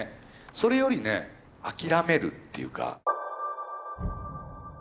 それよりね諦めるっていうか。